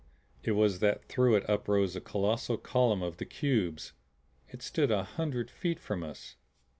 It was that through it uprose a colossal column of the cubes. It stood a hundred feet from us.